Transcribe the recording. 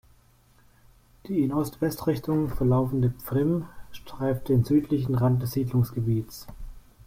Die in Ost-West-Richtung verlaufende Pfrimm streift den südlichen Rand des Siedlungsgebiets.